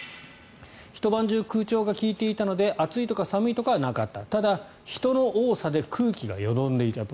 ひと晩中空調が利いていたので暑いとか寒いとかはなかったただ、人の多さで空気がよどんでいたと。